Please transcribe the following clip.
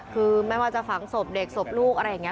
คือไม่ว่าจะฝังศพเด็กศพลูกอะไรอย่างนี้